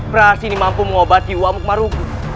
praksi ini mampu mengobati uamuk marugou